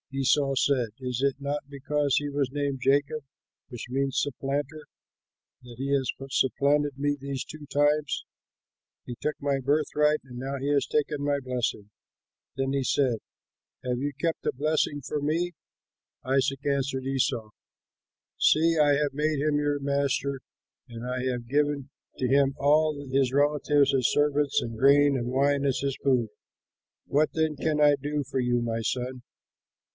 Esau said, "Is it not because he was named Jacob, which means Supplanter, that he has supplanted me these two times: he took my birthright, and now he has taken my blessing!" Then he said, "Have you kept a blessing for me?" Isaac answered Esau, "See, I have made him your master and I have given to him all his relatives as servants and grain and wine as his food. What then can I do for you, my son?"